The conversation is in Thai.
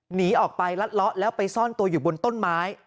หนีออกไปรัดเลาะแล้วไปซ่อนตัวอยู่บนต้นไม้